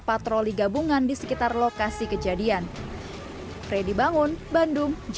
selar patroli gabungan di sekitar lokasi kejadian